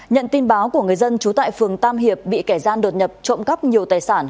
nhận tin báo của người dân trú tại phường tam hiệp bị kẻ gian đột nhập trộm cắp nhiều tài sản